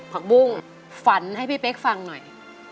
ผักบุ้งฝันให้พี่เป๊กฟังหน่อย